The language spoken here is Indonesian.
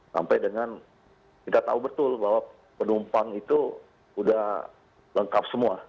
sampai dengan kita tahu betul bahwa penumpang itu sudah lengkap semua